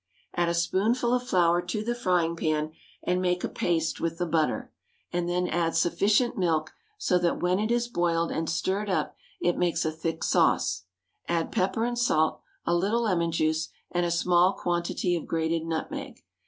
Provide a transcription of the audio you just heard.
Add a spoonful of flour to the frying pan, and make a paste with the butter, and then add sufficient milk so that when it is boiled and stirred up it makes a thick sauce; add pepper and salt, a little lemon juice, and a small quantity of grated nutmeg.